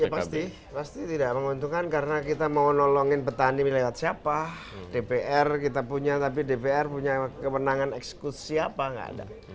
ya pasti pasti tidak menguntungkan karena kita mau nolongin petani wilayah siapa dpr kita punya tapi dpr punya kewenangan eksekusi apa nggak ada